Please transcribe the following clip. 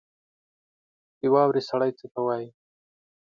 د واورې سړي ته څه وايي؟